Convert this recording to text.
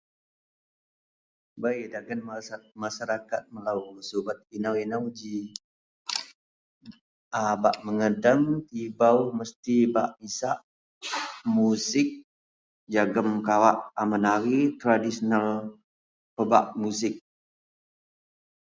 bei dasgen mas Masyarakat melou subet inou-inou ji,a bak megedang tibou mesti bak isak music jegum kawak a menari tradisional pebak musik